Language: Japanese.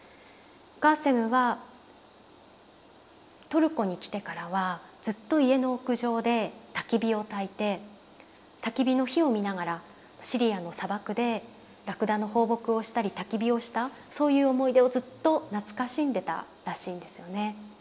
ガーセムはトルコに来てからはずっと家の屋上でたき火をたいてたき火の火を見ながらシリアの砂漠でラクダの放牧をしたりたき火をしたそういう思い出をずっと懐かしんでたらしいんですよね。